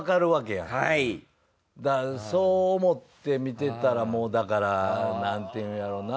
そう思って見てたらもうだからなんていうんやろな。